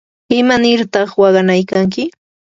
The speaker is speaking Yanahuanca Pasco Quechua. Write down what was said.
¿imarta waqanaykanki?